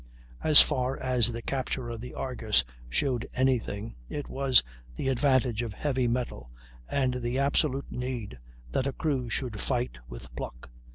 As far as the capture of the Argus showed any thing, it was the advantage of heavy metal and the absolute need that a crew should fight with pluck.